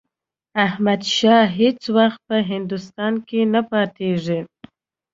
احمدشاه هیڅ وخت په هندوستان کې نه پاتېږي.